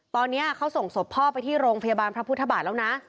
ตอนนี้เขาส่งศพพ่อไปที่โรงพยาบาลพระพุทธบาทแล้วนะ